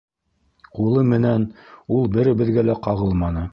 Ҡулы менән ул беребеҙгә лә ҡағылманы.